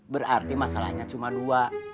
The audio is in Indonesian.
berarti masalahnya cuma dua